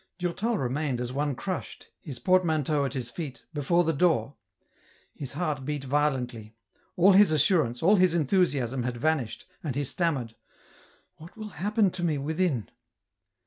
Durtal remained as one crushed, his portmanteau at his feet, before the door ; his heart beat violently ; all his assurance, all his enthusiasm, had vanished, and he stammered :" What will happen to me within